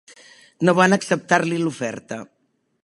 No van acceptar-li l'oferta.